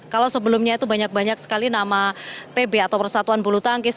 kalau sebelumnya itu banyak banyak sekali nama pb atau persatuan bulu tangkis